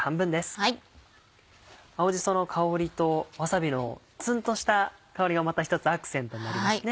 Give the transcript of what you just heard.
青じその香りとわさびのツンとした香りがまた一つアクセントになりますね。